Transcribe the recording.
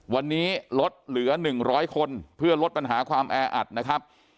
วันนี้ลดเหลือ๑๐๐คนเพื่อลดปัญหาความแออัดนะครับ